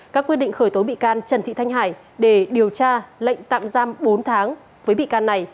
các quyết định khởi tố bị can trần thị thanh hải để điều tra lệnh tạm giam bốn tháng với bị can này